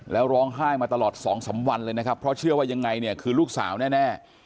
แล้วร้องไห้มาตลอด๒๓วันเลยนะครับเพราะเชื่อว่ายังไงเนี่ยคือลูกสาวแน่